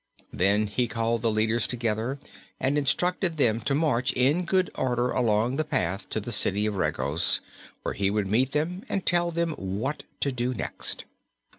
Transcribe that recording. Then he called the leaders together and instructed them to march in good order along the path to the City of Regos, where he would meet them and tell them what to do next.